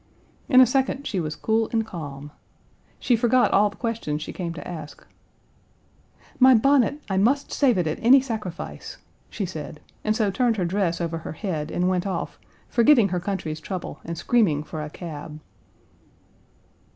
In a second she was cool and calm. She forgot all the questions she came to ask. "My bonnet, I must save it at any sacrifice," she said, and so turned her dress over her head, and went off, forgetting her country's trouble and screaming for a cab.